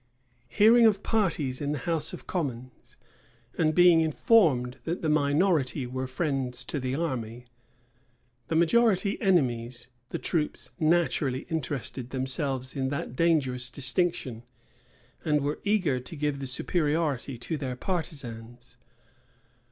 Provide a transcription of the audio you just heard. * Rush. vol. vi. p. 134. Rush, vol. vii. p. 565. Bush. vol. vii. p 474. Hearing of parties in the house of commons, and being informed that the minority were friends to the army, the majority enemies, the troops naturally interested themselves in that dangerous distinction, and were eager to give the superiority to their partisans.